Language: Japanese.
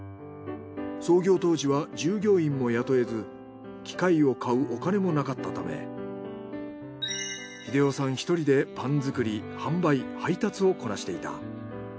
創業当時は従業員も雇えず機械を買うお金もなかったため秀男さん１人でパン作り販売配達をこなしていた。